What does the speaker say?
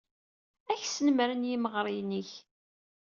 Ad k-snemmren yimeɣriyen-ik.